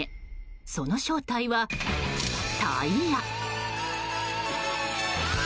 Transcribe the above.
その正体は、タイヤ。